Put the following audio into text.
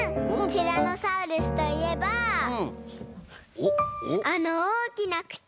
ティラノサウルスといえばあのおおきなくち！